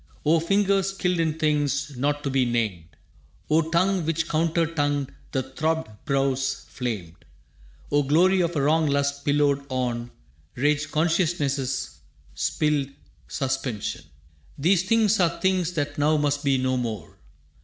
O fingers skilled in things not to be named! O tongue which, counter tongued, the throbbed brows flamed! O glory of a wrong lust pillowed on Raged conciousness's spilled suspension! These things are things that now must be no more.